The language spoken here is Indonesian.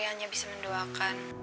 fitri hanya bisa mendoakan